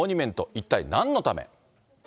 一体なんのため？